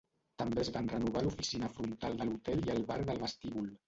També es van renovar l'oficina frontal de l'hotel i el bar del vestíbul.